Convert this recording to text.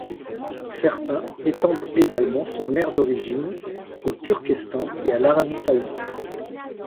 Certains étendent également son aire d'origine au Turkestan et à l'Arabie saoudite.